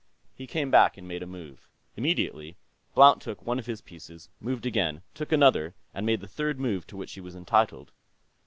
He came back and made a move. Immediately, Blount took one of his pieces, moved again, took another, and made the third move to which he was entitled.